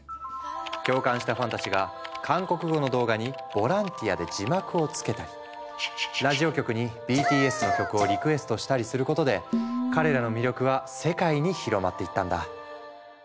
共感したファンたちが韓国語の動画にボランティアで字幕をつけたりラジオ局にＢＴＳの曲をリクエストしたりすることで彼らの魅力は世界に広まっていったんだ。